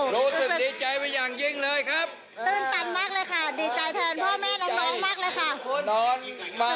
รู้สึกดีใจเป็นอย่างยิ่งเลยครับตื้นตันมากเลยค่ะดีใจแทนพ่อแม่น้องมากเลยค่ะ